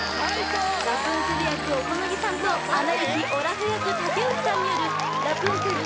ラプンツェル役小此木さんと「アナ雪」オラフ役武内さんによる「ラプンツェル」